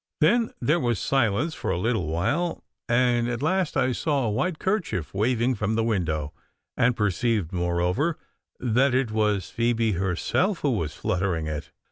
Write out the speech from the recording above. Then there was silence for a little while, and at last I saw a white kerchief waving from the window, and perceived, moreover, that it was Phoebe herself who was fluttering it.